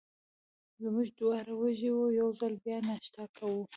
موږ دواړه وږي وو، یو ځل بیا ناشته کوو.